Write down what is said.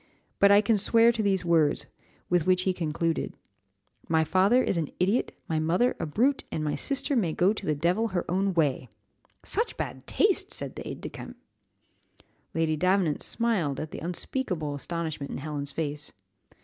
But I can swear to these words, with which he concluded 'My father is an idiot, my mother a brute, and my sister may go to the devil her own way.'" "Such bad taste!" said the aid de camp. Lady Davenant smiled at the unspeakable astonishment in Helen's face.